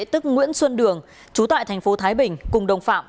tức nguyễn xuân đường chú tại thành phố thái bình cùng đồng phạm